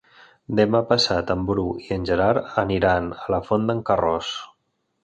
Demà passat en Bru i en Gerard aniran a la Font d'en Carròs.